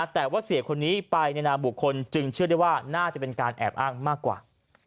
แต่ว่าเสียคนนี้ไปในนามบุคคลจึงเชื่อได้ว่าน่าจะเป็นการแอบอ้างมากกว่า